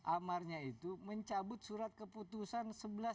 amarnya itu mencabut surat keputusan seribu satu ratus tiga puluh